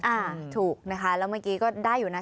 อ่าถูกนะคะแล้วเมื่อกี้ก็ได้อยู่นะคะ